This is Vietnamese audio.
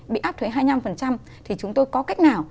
bị áp thuế hai mươi năm thì chúng tôi có cách nào